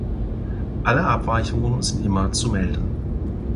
Alle Abweichungen sind immer zu melden.